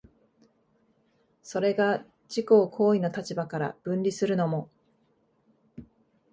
それが自己を行為の立場から分離するのも、